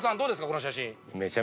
この写真。